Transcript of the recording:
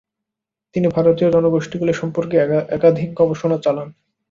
তিনি ভারতীয় জনগোষ্ঠীগুলি সম্পর্কে একাধিক গবেষণা চালান।